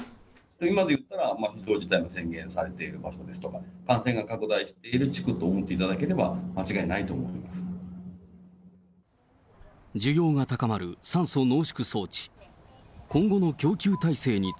今で言ったら、緊急事態の宣言がされている場所ですとか、感染が拡大している地区と思っていただければ間違いないと思って需要が高まる酸素濃縮装置。